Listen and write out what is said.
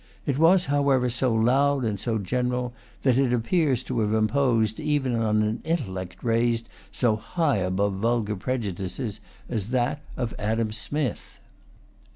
It was, however, so loud and so general that it appears to have imposed even on an intellect raised so high above vulgar prejudices as that of Adam Smith.